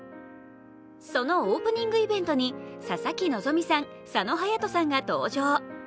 そのオープニングイベントに佐々木希さん、佐野勇斗さんが登場。